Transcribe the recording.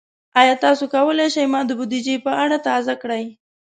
ایا تاسو کولی شئ ما د بودیجې په اړه تازه کړئ؟